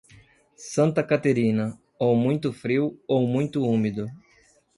Santa Caterina, ou muito frio, ou muito úmido.